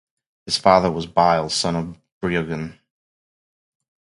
His father was Bile, son of Breogan.